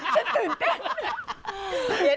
ฉันตื่นเต้น